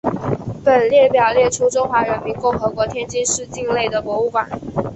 本列表列出中华人民共和国天津市境内的博物馆。